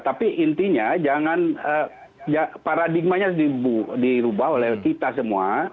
tapi intinya jangan paradigmanya harus dirubah oleh kita semua